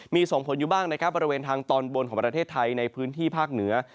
มีส่งผลอยู่บ้างนะครับบริเวณทางตอนบนของประเทศไทยในพื้นที่ภาคเหนือ